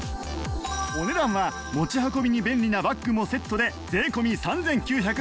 お値段は持ち運びに便利なバッグもセットで税込３９８０円